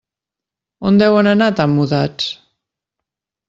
On deuen anar tan mudats.